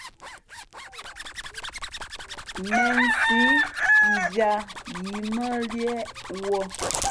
Mēnsī , mviāt yī mά liēʼ wuᾱ.